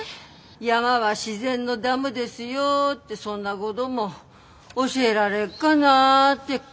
山は自然のダムですよってそんなごども教えられっかなって。